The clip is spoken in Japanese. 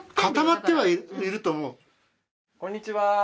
こんにちは。